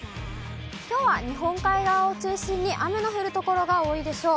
きょうは日本海側を中心に雨の降る所が多いでしょう。